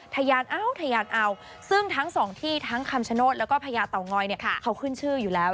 ทะยานอ้าวซึ่งทั้งสองที่ทั้งคำชโนธและพญาเต๋าง้อยเนี่ยเขาขึ้นชื่ออยู่แล้ว